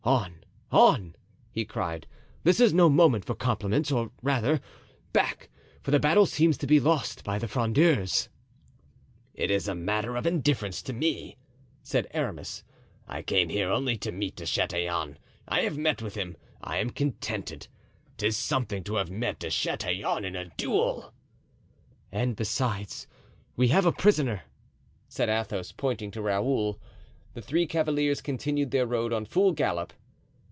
"On, on!" he cried, "this is no moment for compliments; or rather, back, for the battle seems to be lost by the Frondeurs." "It is a matter of indifference to me," said Aramis; "I came here only to meet De Chatillon; I have met him, I am contented; 'tis something to have met De Chatillon in a duel!" "And besides, we have a prisoner," said Athos, pointing to Raoul. The three cavaliers continued their road on full gallop.